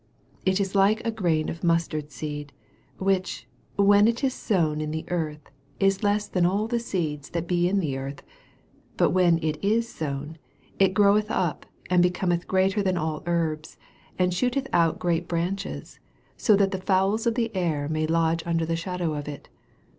31 It is like a grain of mustard seed, which, when it is sown iff the earth, is less than all the seeds that be in the earth : 32 But when it is sown, it groweth up, and becometh greater than all herbs, and shooteth out great branch es so that the fowls of the air may lodge under the shadow of it.